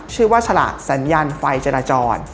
ชื่อว่าฉลากสัญญาณไฟจราจร